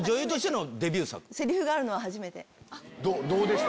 どうでした？